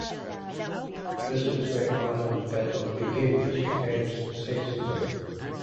This is where Ahlem's battle begins against sexism.